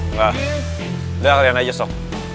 enggak udah kalian aja sok